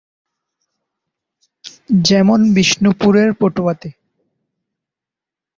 যেমন বিষ্ণুপুরের পটুয়াতে।